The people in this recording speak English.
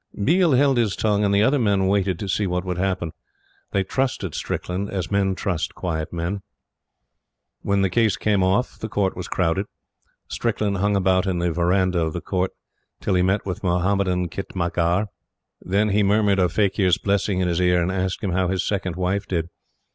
Biel held his tongue, and the other men waited to see what would happen. They trusted Strickland as men trust quiet men. When the case came off the Court was crowded. Strickland hung about in the verandah of the Court, till he met the Mohammedan khitmatgar. Then he murmured a faquir's blessing in his ear, and asked him how his second wife did.